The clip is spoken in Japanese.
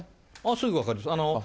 すぐ分かります。